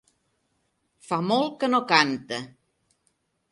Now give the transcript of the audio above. Fa molt que no canta.